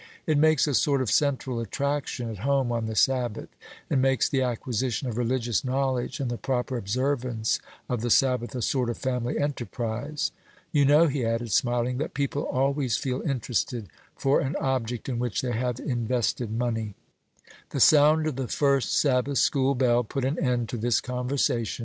It makes a sort of central attraction at home on the Sabbath, and makes the acquisition of religious knowledge and the proper observance of the Sabbath a sort of family enterprise. You know," he added, smiling, "that people always feel interested for an object in which they have invested money." The sound of the first Sabbath school bell put an end to this conversation.